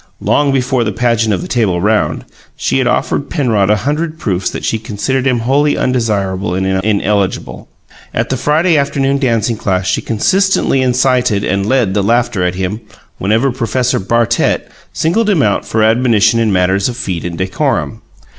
Long before the "Pageant of the Table Round," she had offered Penrod a hundred proofs that she considered him wholly undesirable and ineligible. At the Friday Afternoon Dancing Class she consistently incited and led the laughter at him whenever Professor Bartet singled him out for admonition in matters of feet and decorum.